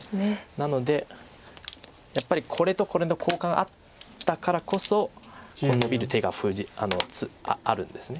なのでやっぱりこれとこれの交換があったからこそこうノビる手があるんです。